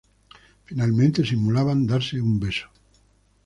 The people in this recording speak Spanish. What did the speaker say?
Finalmente simulan darse un beso.